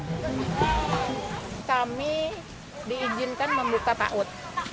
kami diizinkan membuka paut